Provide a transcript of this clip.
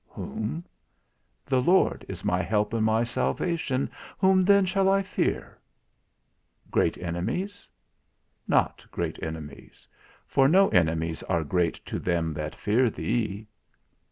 Whom? The Lord is my help and my salvation, whom shall I fear? Great enemies? Not great enemies, for no enemies are great to them that fear thee.